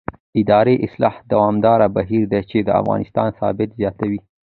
اداري اصلاح دوامداره بهیر دی چې د افغانستان ثبات زیاتوي